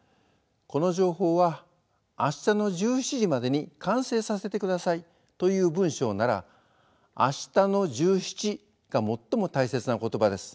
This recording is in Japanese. この情報は明日の１７時までに完成させてくださいという文章なら「明日の１７」が最も大切な言葉です。